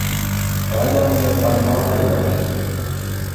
Халӗ ӗнтӗ канма та юрать.